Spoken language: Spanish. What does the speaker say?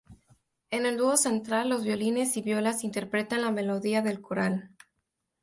En el dúo central los violines y violas interpretan la melodía del coral.